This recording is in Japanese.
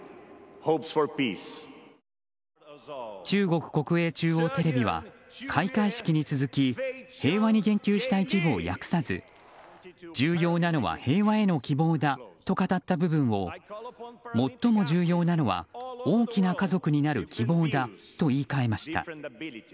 中国国営中央テレビは開会式に続き平和に言及した一部を訳さず重要なのは平和への希望だと語った部分を最も重要なのは大きな家族になる希望だと言い換えました。